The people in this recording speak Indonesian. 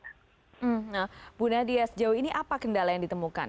nah bu nadia sejauh ini apa kendala yang ditemukan